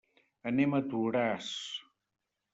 Anem a Toràs.